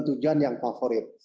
untuk tujuan yang favorit